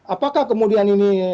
apakah kemudian ini